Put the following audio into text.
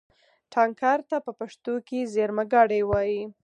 ټانکر ته په پښتو کې زېرمهګاډی وایي.